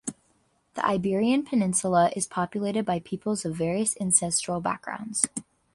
The Iberian Peninsula is populated by peoples of various ancestral background.